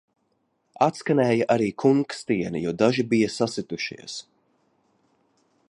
Atskanēja arī kunkstieni, jo daži bija sasitušies.